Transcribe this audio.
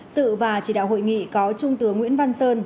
sự và chỉ đạo hội nghị có trung tướng nguyễn văn sơn